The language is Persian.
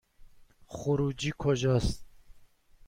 خروجی کجاست؟